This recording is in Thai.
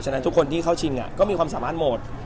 นั้นทุกคนที่เข้าชิงก็มีความสามารถหมด